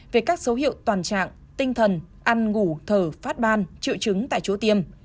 về các dấu hiệu toàn trạng tinh thần ăn ngủ thở phát ban triệu chứng tại chỗ tiêm